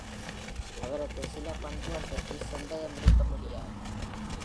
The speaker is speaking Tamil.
அவரது சில பண்புகள் பற்றி சந்தேகம் இருக்க முடியாது.